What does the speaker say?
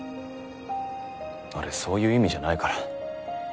あれそういう意味じゃないから。